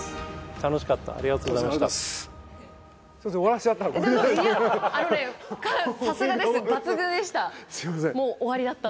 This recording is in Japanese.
楽しかった。